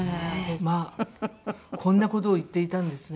まあこんな事を言っていたんですね。